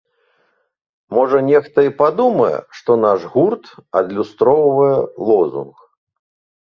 Можа, нехта і падумае, што наш гурт адлюстроўвае лозунг.